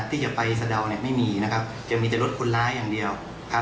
ที่จะไปสะเดาไม่มีจะมีการลดคนร้ายอย่างเดียว